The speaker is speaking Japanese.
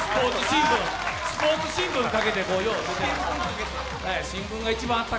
スポーツ新聞かけて。